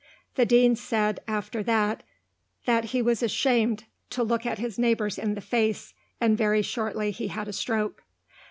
The Dean said after that that he was ashamed to look his neighbours in the face, and very shortly he had a stroke.